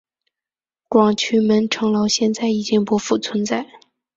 广渠门城楼现在已经不复存在。